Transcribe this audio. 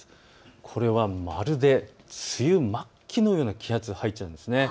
これはまるで梅雨末期のような気圧配置なんです。